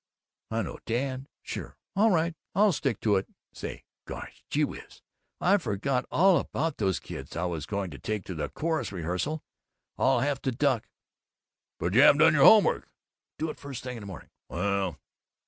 "I know, Dad! Sure! All right. I'll stick to it. Say! Gosh! Gee whiz! I forgot all about those kids I was going to take to the chorus rehearsal. I'll have to duck!" "But you haven't done all your home work." "Do it first thing in the morning."